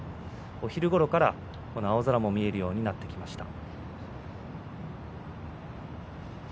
お昼ごろから、青空も見えるようになってきました。